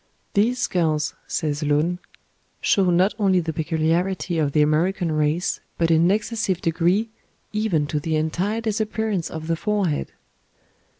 "These skulls," says Lund, "show not only the peculiarity of the American race but in an excessive degree, even to the entire disappearance of the forehead."